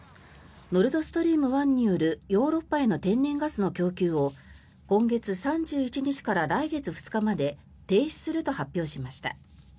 ノルド・ストリーム１によるヨーロッパへの天然ガスの供給を今月３１日から来月２日まで停止すると発表しました。